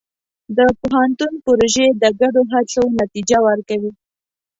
د پوهنتون پروژې د ګډو هڅو نتیجه ورکوي.